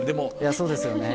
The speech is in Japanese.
そうですよね。